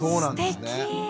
すてき！